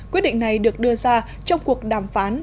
quyết định này được đưa ra trong cuộc đàm phán